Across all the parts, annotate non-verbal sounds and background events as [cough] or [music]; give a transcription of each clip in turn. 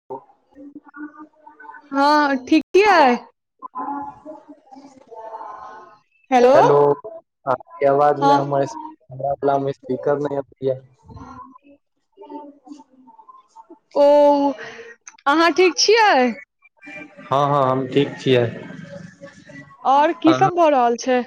[inaudible] हँ ठीक कीयै [unintelligible] हेलो [unintelligible] अहाँके आवाजमे हँ हमर [unintelligible] हमरा बलामे स्पीकर नहि अबै [unintelligible] य ओ अहाँ ठीक छियै हँ हँ हम ठीक छियै और की अहाँ सब भऽ रहल छै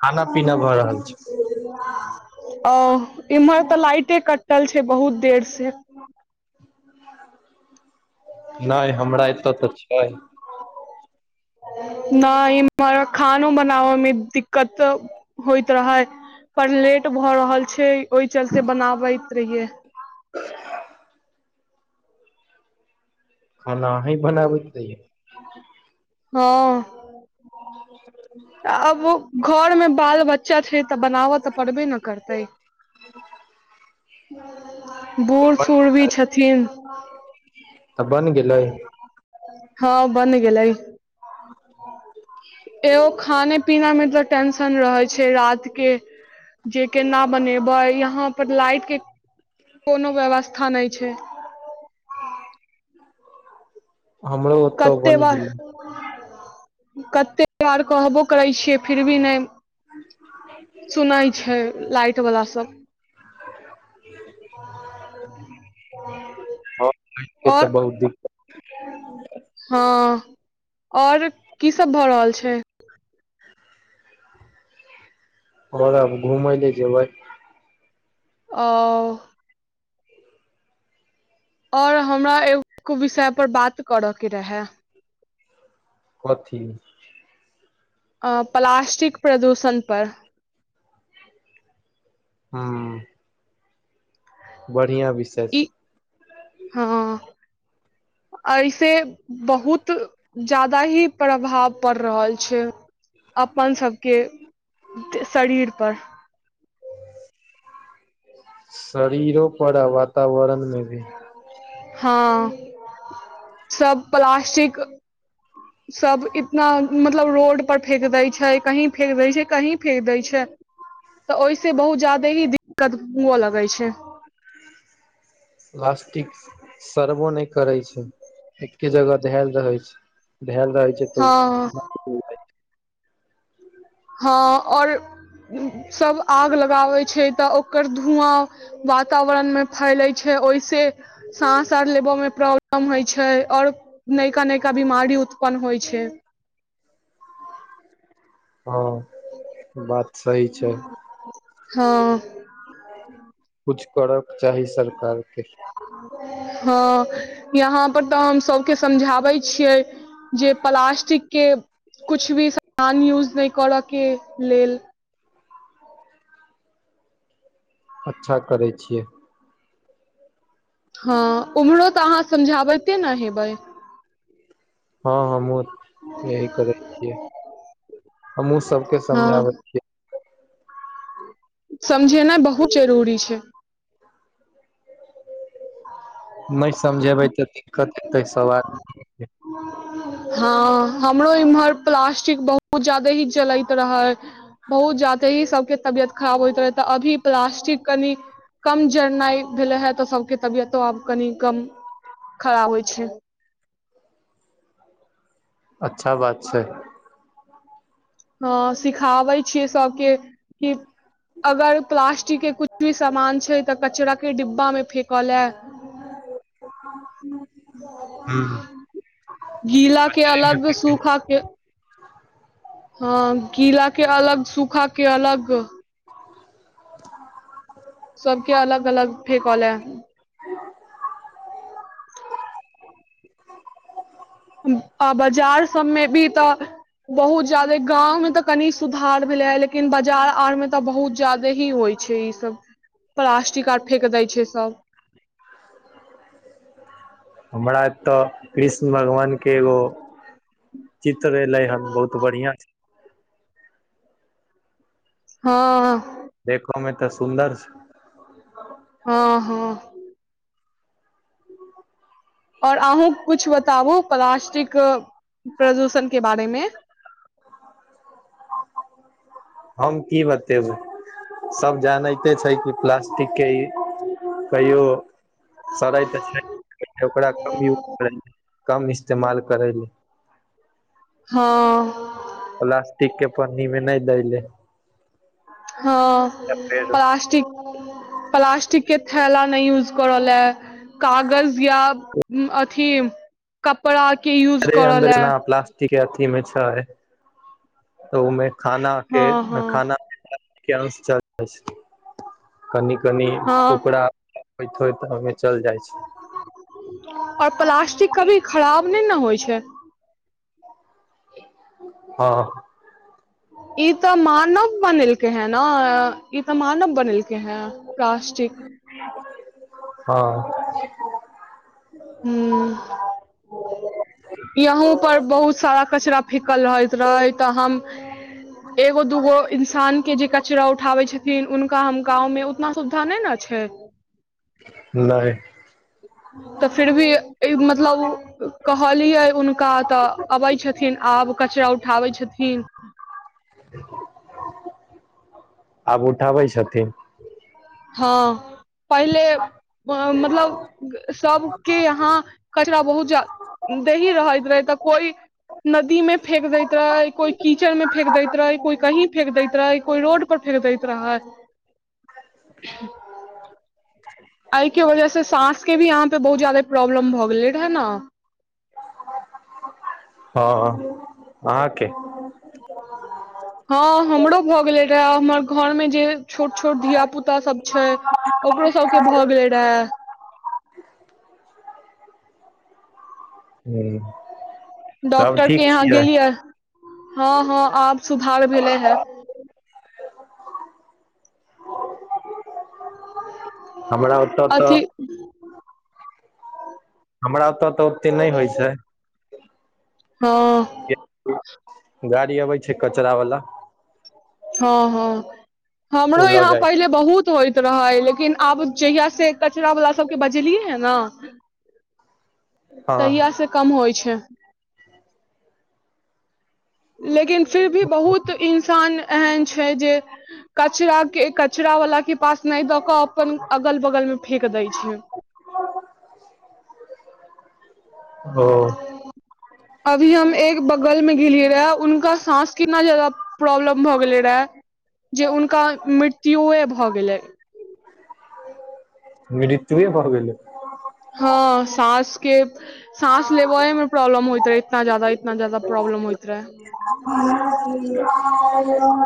खाना पीना भऽ रहल छै ओ इम्हर तऽ लाइटे कटल छै बहुत देर से नहि हमरा एतऽ तऽ छै नहि इम्हर खानो बनाबयमे दिक्कत होइत रहै पर लेट भऽ रहल छै ओहि चलते बनाबैत रहियै खाना अहीं बनाबैत रहियै हँ [inaudible] आब घरमे बाल बच्चा छै तऽ बनावत तऽ परबे न करतै बूढ़ सूढ़ भी छथिन तऽ बनि गेलै हँ बन गेलै [inaudible] एगो खाने पीना मे तऽ टेंशन रहे छै रात के जे केना बनेबै यहाँ पर लाइट के कोनो व्यवस्था नहि छै हमरो ओतऽ कते बनि बार गेलै कते बार कहबो करै छियै फिर भी नहि [inaudible] सुनै छै लाइट बला सब [inaudible] हँ [unintelligible] लाइट के तऽ और बहुत दिक्कत हँ और की सब भऽ रहल छै और अब घूमय ले जेबै ओ और हमरा एगो विषय पर बात करय के रहय कथी अ प्लास्टिक प्रदूषण पर हूंम्म बढ़ियाँ विषय ई छै हँ अहिसे बहुत जादा ही प्रभाव पड़ रहल छै अपन सबके शरीर पर शरीरो पर आ वातावरण मे भी हँ सब प्लास्टिक सब इतना मतलब रोड पर फेेक दै छै कहीं फेेक दै छै कहीं फेेक दै छै तऽ ओहिसे बहुत ज्यादे ही दिक्कत हुअ लगै छै प्लास्टिक सरबो नहि करै छै एके जगह धेल रहै छै धेल रहै छै तऽ हँ हँ और सब आग लगाबै छै तऽ ओकर धुआँ वातावरणमे फैलै छै ओहिसे साँस आर लेबय मे प्रॉब्लम होइ छै आओर नैका नैका बीमारी उत्पन्न होइ छै हँ ई तऽ बात सही छै हँ कुछ करऽके चाही सरकारके हँ यहाँ पर तऽ हम सबके समझाबै छियै जे प्लास्टिक के कुछ भी समान यूज नहि करऽ के लेल अच्छा करै छियै हँ उम्हरो तऽ अहाँ समझाबैते ने हेबै हँ हमहुँ यही करै छियै हमहुँ सबके समझाबै छियै समझेना बहुत जरूरी छै नहि समझेबै तऽ दिक्कत हेतै सभ आदमी [unintelligible] हँ हमरो इम्हर प्लास्टिक बहुत ज्यादे ही जलैत रहै बहुत ज्यादे ही सबके तबियत खराब होइत रहै तऽ अभी प्लास्टिक कनि कम जड़नाइ भेले हे तऽ सबके तबियतो आब कनि कम खड़ाब होइ छै अच्छा बात छै ह सिखाबै छियै सबके कि अगर प्ला स्टीक के कुछ भी सामान छै तऽ कचराक के डिब्बामे फेकऽ लए [unintelligible] गीला के अलग सूखा के हँ गीला के अलग सूखा के अलग [unintelligible] सबके अलग अलग फेकऽ लै [unintelligible] आ बाजार सबमे भी तऽ बहुत जायादे गाँंव मे तऽ कनी सुधार भेले हे लेकिन बाजार आर में तऽ बहुत ज्यादे ही होइ छै ई सब प्लास्टिक आर फेेक दै छै सब हमरा तऽ कृष्ण भगवान के एगो चित्र एले हन बहुत बढ़िया हँ देखो मे तऽ सुन्दर छै [unintelligible] हँ हँ आओर अहूँ कुछ बताबु प्लास्टिक प्रदूषण के बारे मे हम की बतेबो सब जानैते छै कि प्लास्टिक के ई कहियो सड़ै तऽ छै नहि ओकरा कम यूज कम इस्तेमाल करैली हँ प्लास्टिक के पन्नी मे नहि दैले हँ फेर प्लास्टिक प्लास्टिकके थैला नहि यूज कर लए कागज या अथी कपड़ा के यूज अन्दरे करऽ अन्दर लै एना प्लास्टिक के अथी मे छै तऽ ओमे खाना के हँ हँ खाना [unintelligible] छै कनि कनि हँ टुकड़ा होइत होइत ओहिमे चलि जाइ छै आओर प्लास्टिक कभी खराब नहि ने होइ छै हँ ई तऽ मानव बनेलकेै हैं न ई तऽ मानव बनेलक हैं प्लास्टिक हँ ह्म यहूं पर बहुत सारा कचरा फेकल रहैत रहै तऽ हम एगो दूगो इंसान के जे कचरा उठाबे छथिन ऊनका हम गाँंव मे ओतना सुविधा नहि ने छै नहि तऽ फिर भी ई मतलब कहलियै हुनका तऽ अबै छथिन आब कचरा उठाबै छथिन आब उठाबै छथिन हँ पहिले मतलब सबके यहाँ कचरा बहुत जादे ही रहैत रहै तऽ कोई नदी मे फेंक दैत रहे कोई कीचड़ मे फेंक देैत रहे कोई कहीं फेेक दैत रहेै कोई रोड पर फेक दैत रहय [unintelligible] एहिके वजह से साँस के भी अहाँ पे बहुत जादे प्रॉब्लम भऽ गेलै रहे ने हँ अहाँके हँ हमरो भऽ गेले रहे हमर घर मे जे छोट छोट धिय पुता सब छै ओकरो सबके भए गेले रहे ह्म डॉक्टर के यहां गेलियै हँ हँ आब सुधार भेले हें हमरा ओतऽ तऽ ह हमरा ओत तऽ ओते नहि होइ छै हँ गाड़ी अबै छै कचरा वाला हँ हँ ओ हमरो लऽ यहाँ जाइ पहिले बहुत होइत रहै लेकिन आब जहिया से कचरा बला सबके बजेलियै है ना तहिआ हँ स कम होइ छै लेकिन फिर भी बहुत इन्सान एहन छै जे कचरा के कचरा वाला के पास नहि दऽ कऽ अपन अगल बगल मे फेेक दै छै आ [unintelligible] आ [unintelligible] अभी हम एक बगल मे गेलियए रहए उनका सााँस कितना जादा प्रॉब्लम भऽ गेलै रहे जे हुनका मृत्युए भऽ गेलै मृत्युए भऽ गेलै हँ सास के सााँस लेबेय मे प्रॉब्लम होइत रहे इतना ज्यदा इतना ज जादा प्रॉब्लम होयइत रहे ह ह [unintelligible]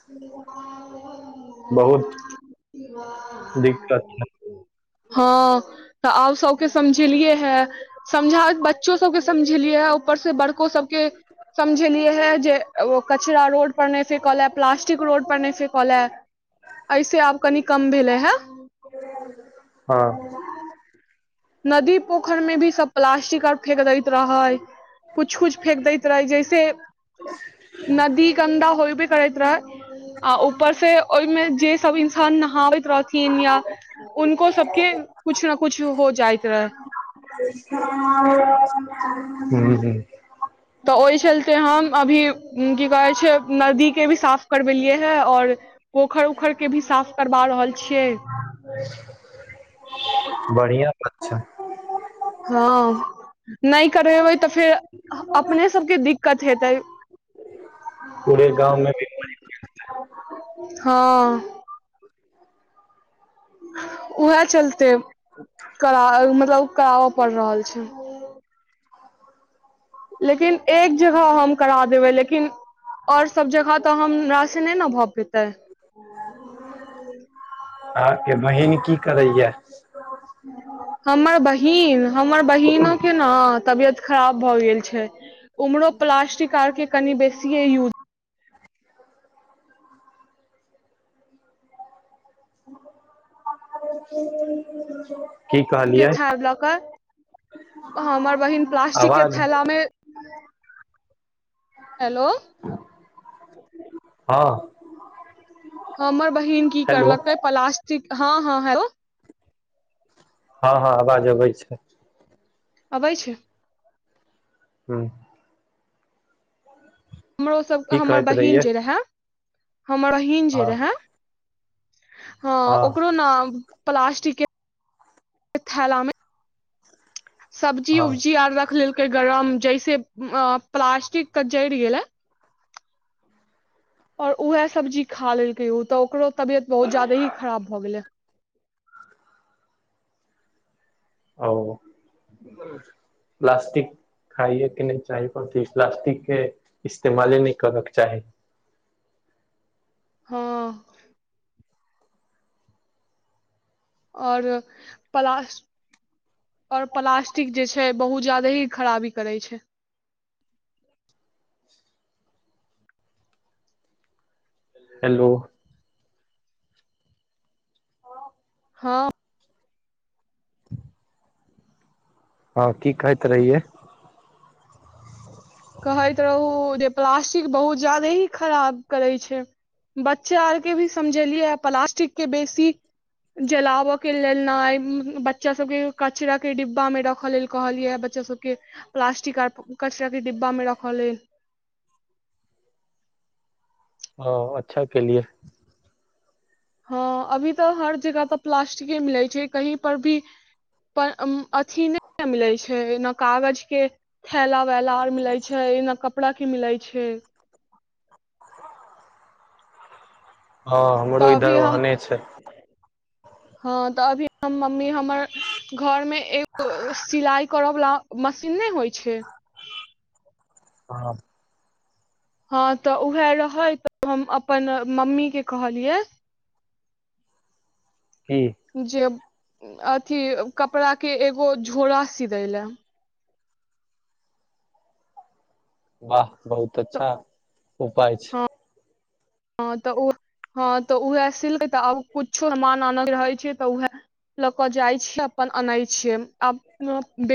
[unintelligible] बहुत दिक्कत ह हँ तऽ आब सबके समझेलियै हें समझा बच्चो सबके समझेलियै हें ऊपर से बड़को सबके समझेलियै हें जे त ओ कचरा रोड पर नहि फेकल है प्लास्टिक रोड पर नहि फेक लऽ ऐसे आब कनि कम भेले है हँ नदी पोखरि मे भी सब प्लास्टिक आर फेेक दैत रहै कुछ कुछ फेेक दैत रहै जैसे नदी गन्दा होयबे करैत रहै आ ऊपर से ओहि मे जे सब इन्सान नहाबैत रहथिन या उनको सबके कुछ ने कुछ हो जाइत रहै हूं [unintelligible] तऽ ओहि चलते हम अभी की कहै छै नदी के भी साफ करबेलियै हे आओर पोखरि उखरि के भी साफ करबा रहल छियै बढ़िआ बात छै हँ नहि करेबै तऽ फेर अपने सबके दिक्कत हेतै [unintelligible] पूरे गाँव मे भी हँ उएहे चलते करा मतलब कराबऽ पड़ रहल छै लेकिन एक जगह हम करा देबै लेकिन आओर सब जगह तऽ हमरा से नहि ने भए पेते अहाँ के बहिन की करैय हमर बहिन हमर बहिनो के ने तबियत खराब भऽ गेल छै उम्हरो प्लास्टिक आर के कनि बेसिए यूज [unintelligible] के कहलियै थार [unintelligible] लऽ के हमर बहिन प्लास्टिक के आवाज थैला मे हेलो हँ हमर बहिन की हेलो करलकै प्लास्टिक हँ हँ हलो हँ हँ आवाज अबै छै अबै छै हँ हमरो सबके की हमर कहैत बहिन रहियै जे रहे हमर बहिन जे हँ रहय हँ ओकरो ना प्लास्टिक के थेला मे सब्जी हँ उब्जी आर रख लेलकै गरम जैसे अ प्लास्टिक तऽ जरि गेलै और उएह सब्जी खा लेलकै उ तऽ ओकरो तबियत बहुत ज्यादे ही खराब भए गेलै ओ प्लास्टिक खाइए के नहि चाही प्लास्टिक के इस्तेमाले नहि करयके चाही हँ आओर पलास आओर प्लास्टिक जे छै बहुत जादे ही खराबी करे छै हेलो हँ [inaudible] हँ की कहैत रहिये कहैत रहुँ जे प्लास्टिक बहुत ज्यादे ही खराब करै छै बच्चा आर के भी समझेलियै है जे प्लास्टिक के बेसी जलावे के लेल न बच्चा सब के कचरा के डिब्बा में रखे लेल कहलिय बच बच्चा सब के प्लास्टिक आर कचरा के डिब्बा मे रखल है ह अच्छा केेलिए हँ अभी तऽ हर जगह तऽ प्लास्टिके मिलैत छै कहीं पर भी पर अथी नै न मिले छै ना कागज के थैला वैला आर मिले छै एना कपड़ा की मिले छै हँ हमरो तऽ इधर अभी हम ओहने छै हँ तऽ अभी हम मम्मी हमर घर मे एगो सिलाई करवला मशीन नै होइ छै ह हँ तऽ उएह रहै तऽ हम अपन मम्मी के कहलिये [inaudible] हूंम्म जेब अथी कपड़ाके एगो झोरा सी दय ले बाह बहुत तऽ अच्छा उपाय छै हँ तऽ ओ हँ तऽ उएह सिलकै तऽ आब कुछो [unintelligible] सामान [unintelligible] रहै छै तऽ उएह लक जाइ छीयै अपन आनै छियै आब [unintelligible] बे